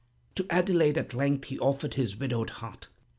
To Adelaide, at length, he offered his widowed heart.